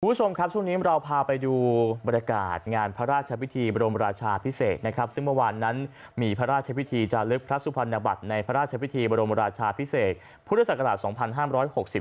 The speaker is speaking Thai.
คุณผู้ชมครับช่วงนี้เราพาไปดูบรรยากาศงานพระราชพิธีบรมราชาพิเศษนะครับซึ่งเมื่อวานนั้นมีพระราชพิธีจาลึกพระสุพรรณบัตรในพระราชพิธีบรมราชาพิเศษพุทธศักราช๒๕๖๐